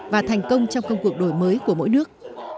và thành công trong công cuộc đổi mới của mỗi nước